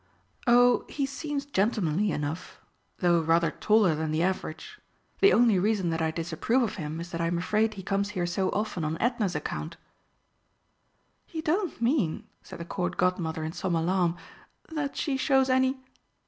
"Oh, he seems gentlemanly enough though rather taller than the average. The only reason that I disapprove of him is that I'm afraid he comes here so often on Edna's account." "You don't mean," said the Court Godmother, in some alarm, "that she shows any